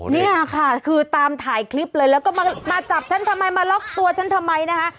เนี่ยค่ะคือตามถ่ายคลิปเลยแล้วก็มาจับฉันทำไมมาล็อกตัวฉันทำไมนะคะ